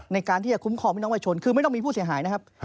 ในการที่จะคุ้มครองพี่น้องวัยชนคือไม่ต้องมีผู้เสียหายนะครับ